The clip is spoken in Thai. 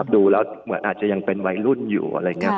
ดูแล้วเหมือนอาจจะยังเป็นวัยรุ่นอยู่